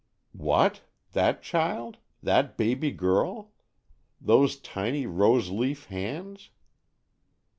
What? That child? That baby girl? Those tiny, rose leaf hands!